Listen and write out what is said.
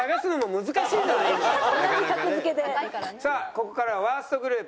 さあここからはワーストグループ。